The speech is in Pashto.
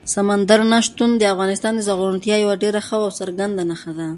سمندر نه شتون د افغانستان د زرغونتیا یوه ډېره ښه او څرګنده نښه ده.